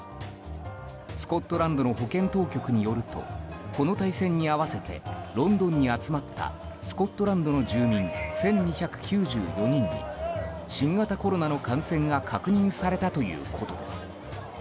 スコットランドの保健当局によるとこの対戦に合わせてロンドンに集まったスコットランドの住民１２９４人に新型コロナの感染が確認されたということです。